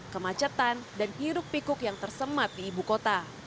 kemacetan dan hiruk pikuk yang tersemat di ibu kota